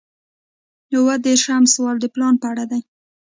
اووه دېرشم سوال د پلان په اړه دی.